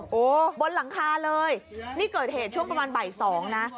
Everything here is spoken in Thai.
โอ้โหบนหลังคาเลยนี่เกิดเหตุช่วงประมาณบ่ายสองนะ